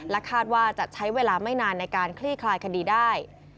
คาดว่าจะใช้เวลาไม่นานในการคลี่คลายคดีได้